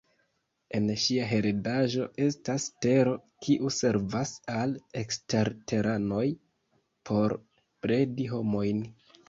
En ŝia heredaĵo estas Tero, kiu servas al eksterteranoj por bredi homojn.